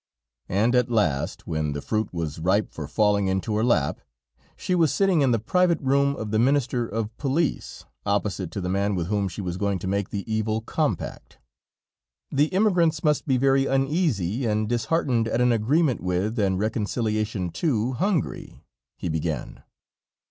And at last, when the fruit was ripe for falling into her lap, she was sitting in the private room of the Minister of Police, opposite to the man with whom she was going to make the evil compact. "The emigrants must be very uneasy and disheartened at an agreement with, and reconciliation to, Hungary," he began.